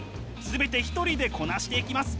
全て一人でこなしていきます。